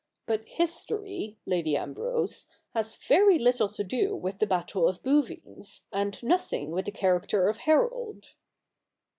But history, Lady Ambrose, has very Httle to do with the Battle of Bou vines, and nothing with the character of Harold.'